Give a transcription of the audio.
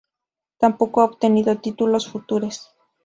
Tampoco ha obtenido títulos Futures.